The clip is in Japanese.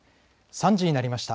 ３時になりました。